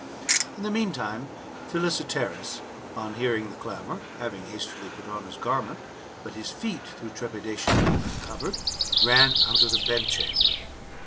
In the meantime, Philesietserus on hearing the clamour, having hastily put on his garment, but his feet through trepidation being uncovered, ran out of the bedchamber.